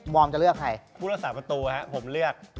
ผู้รักษาประตูครับผมเลือก